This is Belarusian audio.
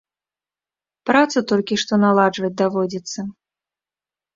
Працу толькі што наладжваць даводзіцца.